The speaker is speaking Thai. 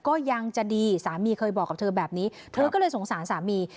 ก็ยังจะดีสามีเคยบอกกับเธอแบบนี้เธอก็เลยสงสารสามี